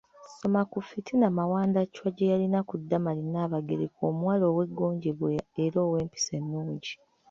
Soma ku fitina Mawanda Chwa gye yalina ku Damali Nabagereka omuwala ow’eggonjebwa era ow’empisa ennungi.